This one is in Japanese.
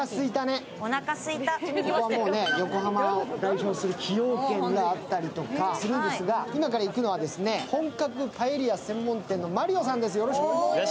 横浜を代表する崎陽軒があったりとかするんですが、今から行くのは本格パエリア専門店のＭＡＲＩＯさんです。